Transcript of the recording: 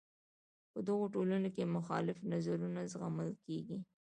په دغو ټولنو کې مخالف نظرونه زغمل کیږي.